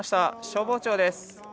消防庁です。